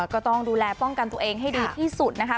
ก็ต้องดูแลป้องกันตัวเองให้ดีที่สุดนะคะ